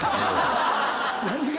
何が？